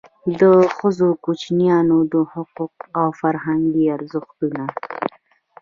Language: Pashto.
د ښځو او کوچنیانو حقوق او فرهنګي ارزښتونه.